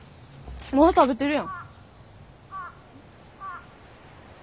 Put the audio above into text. まだ食べてるやん。